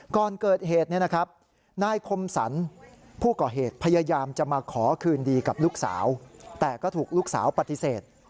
ก่อนเกิดเหตุนายคมสรรผู้ก่อเหตุพยายามจะมาขอคืนดีกับลูกสาวแต่ก็ถูกลูกสาวปฏิเสธ